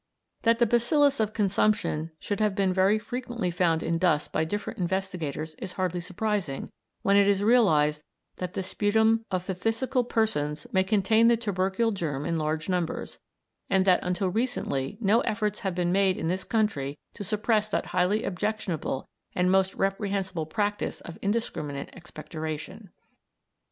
That the bacillus of consumption should have been very frequently found in dust by different investigators is hardly surprising when it is realised that the sputum of phthisical persons may contain the tubercle germ in large numbers, and that until recently no efforts have been made in this country to suppress that highly objectionable and most reprehensible practice of indiscriminate expectoration.